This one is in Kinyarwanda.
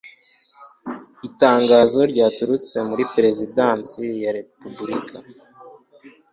Itangazo ryaturutse muri Perezidansi ya Repubulika